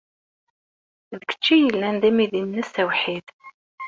D kečč ay yellan d amidi-nnes awḥid.